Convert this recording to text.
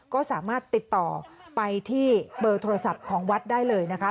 ก็สามารถติดต่อไปที่เบอร์โทรศัพท์ของวัดได้เลยนะคะ